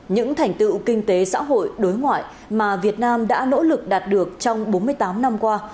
những thành tựu kinh tế xã hội đối ngoại mà việt nam đã nỗ lực đạt được trong bốn mươi tám năm qua